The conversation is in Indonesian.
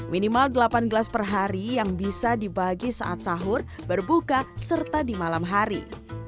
minimal delapan gelas per hari yang bisa dibagi saat sahur berbuka serta di malam hari